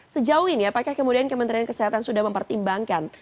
sejauh ini apakah kemudian kementerian kesehatan sudah mempertimbangkan